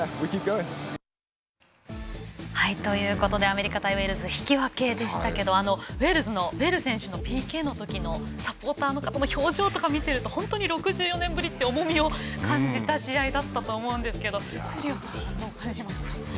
アメリカ対ウェールズ引き分けでしたけどもウェールズのベイル選手のＰＫのときのサポーターの方の表情を見ると本当に６４年ぶりという重みを感じた試合だと思いますが闘莉王さん、どう感じましたか。